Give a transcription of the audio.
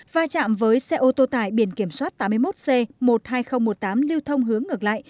va chạm với xe ô tô tải biển kiểm soát tám mươi một c một mươi hai nghìn một mươi tám lưu thông hướng ngược lại